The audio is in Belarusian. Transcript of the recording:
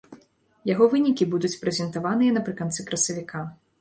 Яго вынікі будуць прэзентаваныя напрыканцы красавіка.